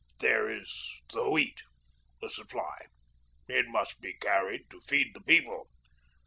There is the Wheat, the supply. It must be carried to feed the People.